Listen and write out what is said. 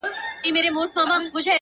• د چا لاره چي پر لور د جهالت سي ,